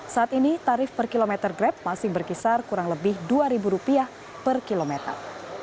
saat ini tarif per kilometer grab masih berkisar kurang lebih rp dua per kilometer